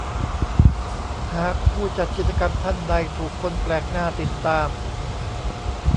หากผู้จัดกิจกรรมท่านใดถูกคนแปลกหน้าติดตาม